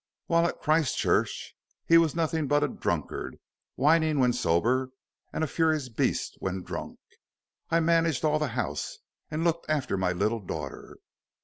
"While at Christchurch he was nothing but a drunkard, whining when sober, and a furious beast when drunk. I managed all the house, and looked after my little daughter.